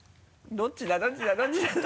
どっちだ？